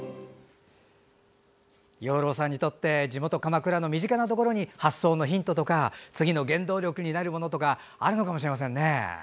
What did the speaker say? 養老さんにとって地元・鎌倉の身近なところに発想のヒントとか次の原動力になるものとかあるのかもしれませんね。